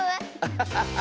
ハハハハ。